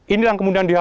inilah kemudian diungkit